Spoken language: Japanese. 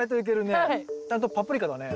ちゃんとパプリカだね。